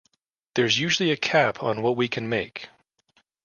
There's usually a cap on what we can make.